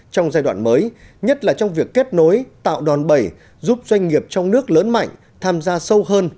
trong giai đoạn mới nhất là trong việc kết nối tạo đòn bẩy giúp doanh nghiệp trong nước lớn mạnh tham gia sâu hơn